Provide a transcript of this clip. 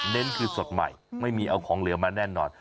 คือสดใหม่ไม่มีเอาของเหลือมาแน่นอน